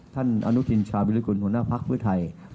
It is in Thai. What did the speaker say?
ท่านอนุทินชาวิรุกุลหัวหน้าภักษ์ภูมิใจไทย